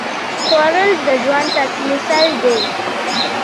خوړل د ژوند تسلسل دی